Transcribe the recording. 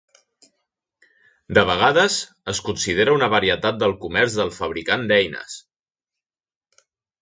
De vegades, es considera una varietat del comerç del fabricant d'eines.